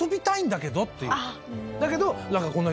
だけど。